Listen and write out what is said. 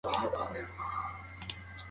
په فضا کې اکسیجن نشته.